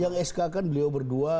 yang sk kan beliau berdua